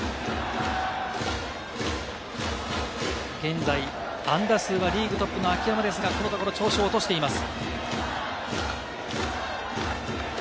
現在、安打数はリーグトップの秋山ですが、このところ調子を落としています。